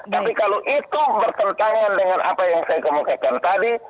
tapi kalau itu bertentangan dengan apa yang saya kemukakan tadi